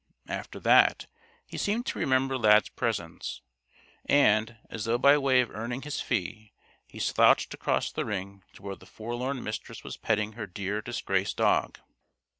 After that he seemed to remember Lad's presence, and, as though by way of earning his fee, he slouched across the ring to where the forlorn Mistress was petting her dear disgraced dog.